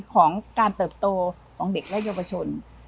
ของการเติบโตของเด็กและเยาวชน